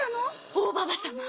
大ババ様。